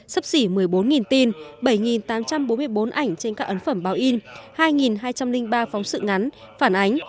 sấp xỉ một mươi bốn tin bảy tám trăm bốn mươi bốn ảnh trên các ấn phẩm báo in hai hai trăm linh ba phóng sự ngắn phản ánh